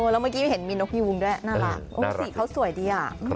แล้วเมื่อกี้เห็นมีนกยูงด้วยน่ารักสีเขาสวยดีอ่ะ